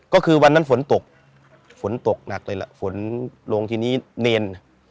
ก็คือวันนั้นฝนตกฝนตกหนักเลยล่ะฝนลงทีนี้เนร